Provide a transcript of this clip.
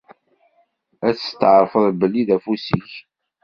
Ad setɛerfen belli d afus-ik.